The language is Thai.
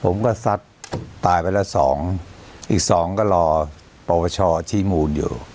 ผมก็ซัดตายไปแล้วสองอีกสองก็รอปรปชชชี่มูลอยู่